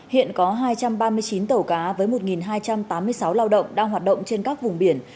hiện có hai trăm ba mươi chín tàu cá với một hai trăm tám mươi sáu lao động đang hoạt động trên các vùng biển